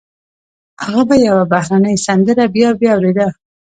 هغه به يوه بهرنۍ سندره بيا بيا اورېده.